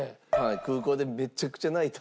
空港でめちゃくちゃ泣いた。